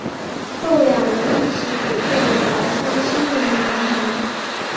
后两人一起组建了白山青年同盟。